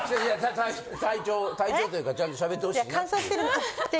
体調体調というかちゃんとしゃべってほしいなっていう。